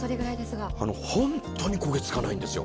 本当に焦げつかないんですよ。